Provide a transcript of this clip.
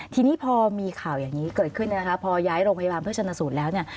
ทีนี้พอมีข่าวอย่างนี้เกิดขึ้นเนี่ยนะคะพอย้ายโรงพยาบาลเพื่อชนะสูตรแล้วเนี่ย